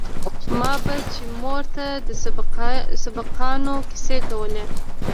ما به چې مور ته د سبقانو کيسې کولې.